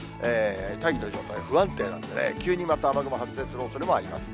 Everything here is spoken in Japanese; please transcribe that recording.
大気の状態不安定なんでね、急にまた雨雲発生するおそれもあります。